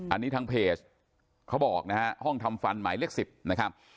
อันนี้ทางเพจเขาบอกนะฮะห้องทำฟันหมายเลข๑๐นะครับ